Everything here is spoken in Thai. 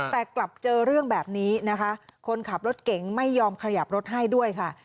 แต่กลับเจอเรื่องแบบนี้นะคะคนขับรถเก่งไม่ยอมขยับรถให้ด้วยค่ะ